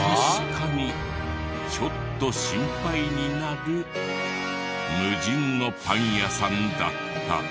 確かにちょっと心配になる無人のパン屋さんだった。